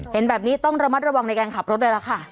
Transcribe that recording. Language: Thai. เห็นแบบนี้ต้องระมัดระวังในการขับรถเลยล่ะค่ะ